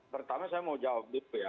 pertama saya mau jawab dulu ya